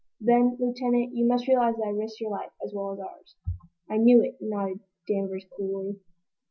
"Then, Lieutenant, you must realize that I risked your life, as well as ours." "I knew it," nodded Danvers, coolly.